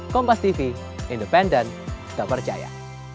kompastv independen tak percaya